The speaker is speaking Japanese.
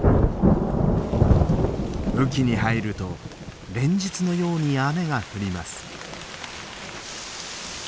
雨季に入ると連日のように雨が降ります。